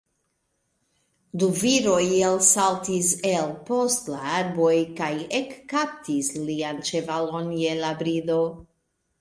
Du viroj elsaltis el post la arboj kaj ekkaptis lian ĉevalon je la brido.